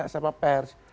maksudnya apa pers